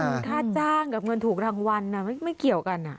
ก็คือค่าจ้างกับเงินถูกทางวันไม่เกี่ยวกันน่ะ